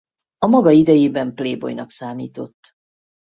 A maga idejében playboynak számított.